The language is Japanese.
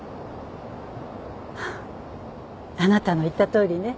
あなたの言ったとおりね。